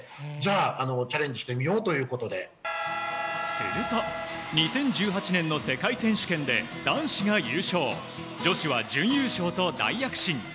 すると２０１８年の世界選手権で男子が優勝女子は準優勝と大躍進。